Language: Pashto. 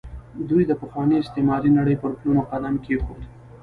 دوی د پخوانۍ استعماري نړۍ پر پلونو قدم کېښود.